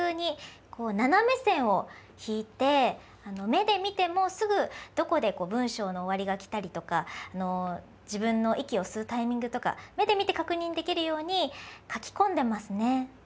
目で見てもすぐどこで文章の終わりが来たりとか自分の息を吸うタイミングとか目で見て確認できるように書きこんでますね。